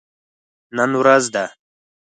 نن ښه ورځ ده